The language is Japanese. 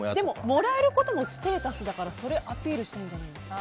もらえることもステータスだからアピールしたいんじゃないですか。